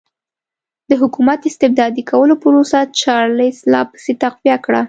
د حکومت استبدادي کولو پروسه چارلېس لا پسې تقویه کړه.